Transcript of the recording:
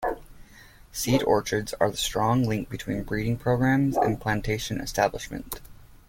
Seed orchards are the strong link between breeding programs and plantation establishment.